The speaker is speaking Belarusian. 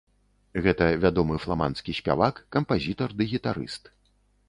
Гэта вядомы фламандскі спявак, кампазітар ды гітарыст.